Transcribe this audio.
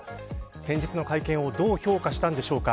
先日の会見をどう評価したのでしょうか。